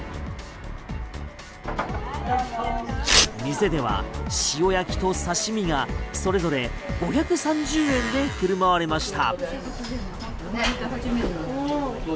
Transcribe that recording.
店では塩焼きと刺し身がそれぞれ５３０円で振る舞われました。